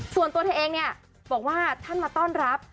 ส่วนตัวเธอเองเนี่ยบอกว่าท่านมาต้อนรับ